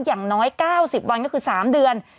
อย่างน้อย๙๐วันก็คือ๓เดือน